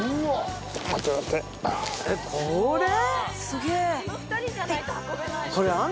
これ？